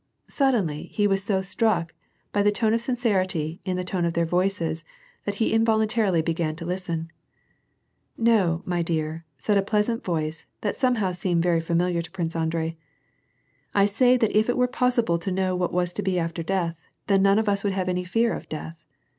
Suddenly he was so struck by the tona of sincerity iu the tone of their voices, that he involuntarily began to listen. " No, my dear," ♦ said a pleasant voice, that somehow seemed very familiar to Prince Andrei. " I say that if it were possi ble to know what was to be after death, then none of us would have any fear of death.